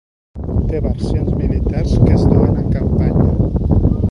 Té versions militars que es duen en campanya.